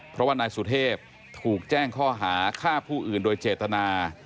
เพราะว่านายสุเทพถูกแจ้งข้อหาฆ่าผู้อื่นโดยเจตนา